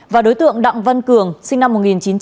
và đối tượng đặng văn cường sinh năm một nghìn chín trăm tám mươi